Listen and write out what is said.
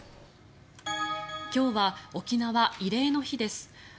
今日は沖縄慰霊の日です。